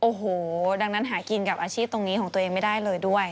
โอ้โหดังนั้นหากินกับอาชีพตรงนี้ของตัวเองไม่ได้เลยด้วย